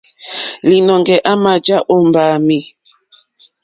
Līnɔ̄ŋgɛ̄ à mà jàá ó mbáāmì.